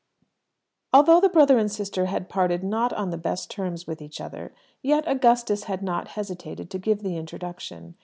Although the brother and sister had parted not on the best terms with each other, yet Augustus had not hesitated to give the introduction.